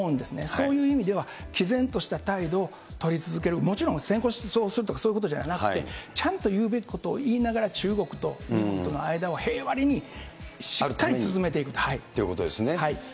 そういう意味では、きぜんとした態度を取り続ける、もちろん、戦争をするとか、そういうことじゃなくて、ちゃんと言うべきことを言いながら、中国と日本との間に平和裏にしっかりと進めていくということです